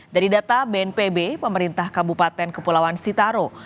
dari data bnpb pemerintah kabupaten kepulauan sitaro